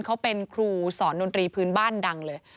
เขาเป็นครูสอนดนตรีพื้นบ้านดังเลย